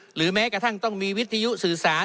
หรือแม้กระทั่งต้องมีวิทยุสื่อสาร